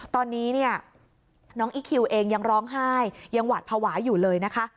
ตอนนี้เนี่ยน้องอีคคิวเองยังร้องไห้ยังหวาดภาวะอยู่เลยนะคะ